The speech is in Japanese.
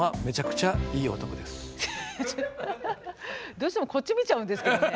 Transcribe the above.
どうしてもこっち見ちゃうんですけどね。